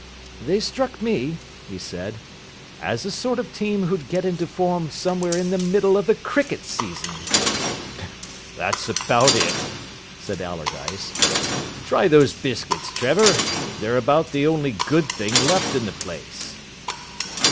"They struck me," he said, "as the sort of team who'd get into form somewhere in the middle of the cricket season." "That's about it," said Allardyce. "Try those biscuits, Trevor. They're about the only good thing left in the place."